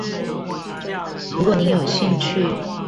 如果你有興趣